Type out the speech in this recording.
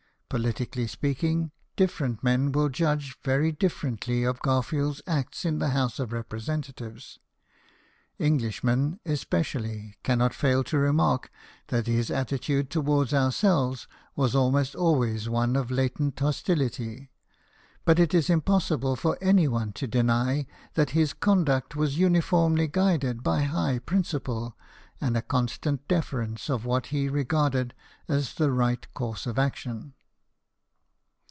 Politically speaking, different men will judge very differently of Garfield's acts in the House of Representatives. Englishmen especially cannot fail to remark that his attitude towards ourselves was almost always one of latent hostility ; but it is impossible for any body to deny that his conduct was uniformly guided by high principle, and a constant defer ence: to what he regarded as the right course of action.